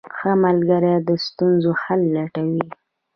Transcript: ښه ملګری د ستونزو حل لټوي.